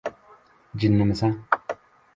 — Jinnimisan?!